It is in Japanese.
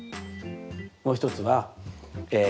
もう一つはえ。